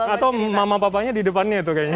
atau mama papanya di depannya tuh kayaknya